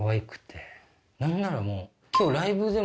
何ならもう。